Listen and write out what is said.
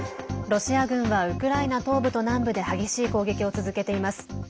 ロシア軍はウクライナ東部と南部で激しい攻撃を続けています。